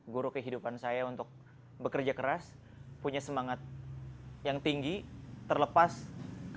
guru kehidupan saya untuk bekerja keras punya semangat yang tinggi terlepas ke